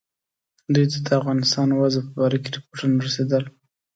دوی ته د افغانستان وضع په باره کې رپوټونه رسېدل.